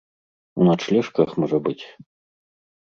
У начлежках, можа быць?